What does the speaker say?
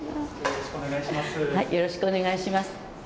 よろしくお願いします。